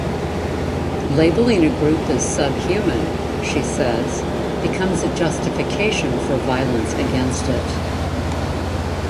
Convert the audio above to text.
Labeling a group as subhuman, she says, becomes a justification for violence against it.